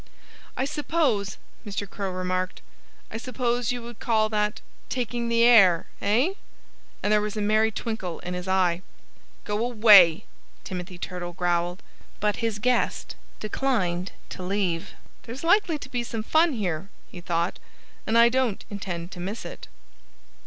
"I suppose" Mr. Crow remarked "I suppose you would call that taking the air, eh?" And there was a merry twinkle in his eye. "Go away!" Timothy Turtle growled. But his guest declined to leave. "There's likely to be some fun here," he thought, "and I don't intend to miss it."